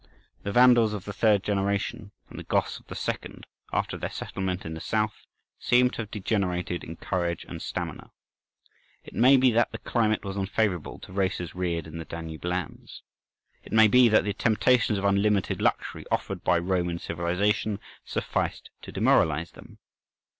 The Vandals of the third generation and the Goths of the second, after their settlement in the south, seem to have degenerated in courage and stamina. It may be that the climate was unfavourable to races reared in the Danube lands; it may be that the temptations of unlimited luxury offered by Roman civilization sufficed to demoralize them.